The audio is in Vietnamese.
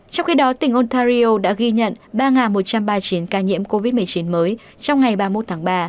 trong khi đó tỉnh ontario đã ghi nhận ba một trăm ba mươi chín ca nhiễm covid một mươi chín mới trong ngày ba mươi một tháng ba